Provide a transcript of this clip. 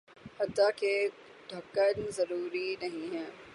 حتٰیکہ ڈھکن ضروری نہیں ہیں